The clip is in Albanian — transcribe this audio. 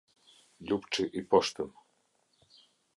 Lupçi i Poshtëm